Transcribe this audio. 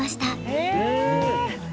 へえ！